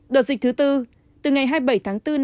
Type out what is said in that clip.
đợt dịch thứ bốn